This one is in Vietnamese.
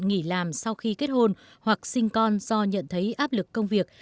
nghỉ làm sau khi kết hôn hoặc sinh con do nhận thấy áp lực công việc